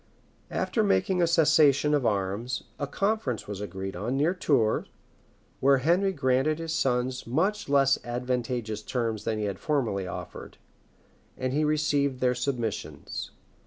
After making a cessation of arms, a conference was agreed on near Tours; where Henry granted his sons much less advantageous terms than he had formerly offered; and he received their submissions.